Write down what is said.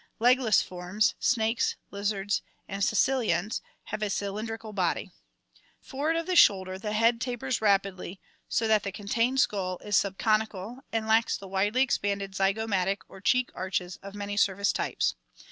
Legless forms, snakes, lizards, and cascilians, have a cylin drical body. (See Fig. 56.) Forward of the shoulder the head tapers rapidly so that the con tained skull is subcorneal and lacks the widely expanded zygomatic or cheek arches of many surface types.